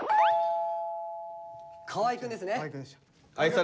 河合くんですね。